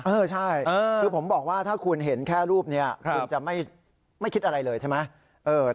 เออใช่คือผมบอกว่าถ้าคุณเห็นแค่รูปนี้คุณจะไม่คิดอะไรเลยใช่ไหม